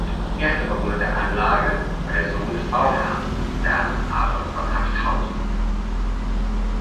Erster Bewohner der Anlage war der Sohn des Bauherrn, Werner Adolph von Haxthausen.